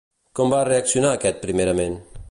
Com va reaccionar aquest primerament?